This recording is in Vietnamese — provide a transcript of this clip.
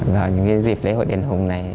trong những dịp lễ hội đền hùng này